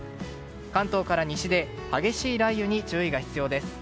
関東から西で激しい雷雨に注意が必要です。